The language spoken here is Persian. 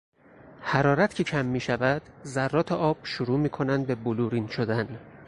حرارت که کم میشود ذرات آب شروع میکنند به بلورین شدن.